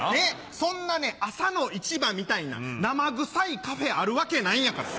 そんな朝の市場みたいな生臭いカフェあるわけないんやから。